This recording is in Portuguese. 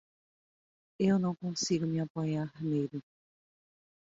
Eu não consigo me apoderar dele.